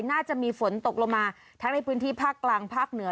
น่าจะมีฝนตกลงมาทั้งในพื้นที่ภาคกลางภาคเหนือ